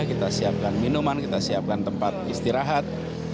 kita siapkan minuman kita siapkan tempat istirahat